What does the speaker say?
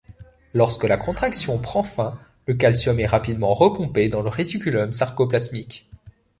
Lorsque la contraction prend fin, le calcium est rapidement repompé dans le réticulum sarcoplasmique.